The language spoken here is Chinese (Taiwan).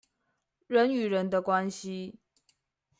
人與人的關係